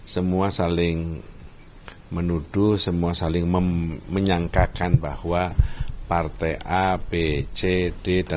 semua saling menuduh semua saling menyangkakan bahwa partai a b c d